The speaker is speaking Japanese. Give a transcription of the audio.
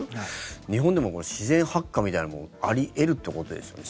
日本でも自然発火みたいなのもあり得るってことですよね。